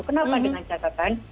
kenapa dengan catatan